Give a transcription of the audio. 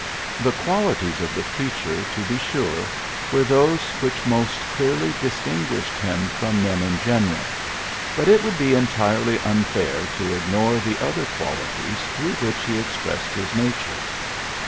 The qualities of the preacher, to be sure, were those which most clearly distinguished him from men in general , but it would be entirely unfair to ignore the other qualities through which he expressed his nature.